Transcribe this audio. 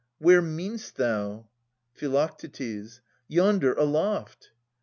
Where mean'st thou? Phi. Yonder aloft